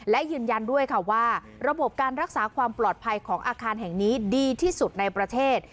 และยืนยันด้วยค่ะว่าระบบการรักษาความปลอดภัยของอาคารแห่งนี้ดีที่สุดในประเทศ